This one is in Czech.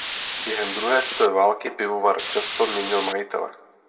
Během druhé světové války pivovar často měnil majitele.